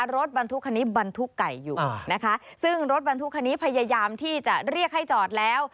รถบรรทุกคันนี้บรรทุกไก่อยู่นะคะซึ่งรถบรรทุกคันนี้พยายามที่จะเรียกให้จอดแล้ว